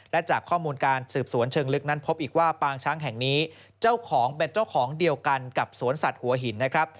และจากข้อมูลการสืบสวนเชิงลึกนั้นพบอีกว่าปางช้างแห่งนี้เจ้าของเป็นเจ้าของเดียวกันกับสวนสัตว์หัวหินนะครับ